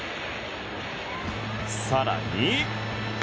更に。